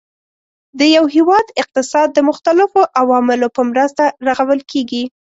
د یو هیواد اقتصاد د مختلفو عواملو په مرسته رغول کیږي.